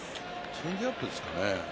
チェンジアップですかね。